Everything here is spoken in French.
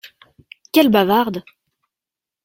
Quelle bavarde !